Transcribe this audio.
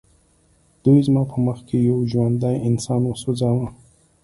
دوی زما په مخ کې یو ژوندی انسان وسوځاوه